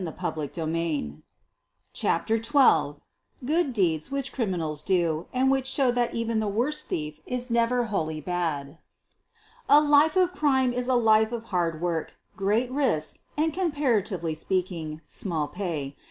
250 SOPHIE LYONS CHAPTEE XII GOOD DEEDS WHICH CEIMINALS DO AND WHICH SHOW THAT EVEN THE WORST THIEF IS NEVER WHOLLY BAD A life of crime is a life of hard work, great risk, and, comparatively speaking, small pay.